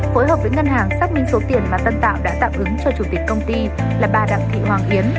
phối hợp với ngân hàng xác minh số tiền mà tân tạo đã tạm ứng cho chủ tịch công ty là bà đặng thị hoàng yến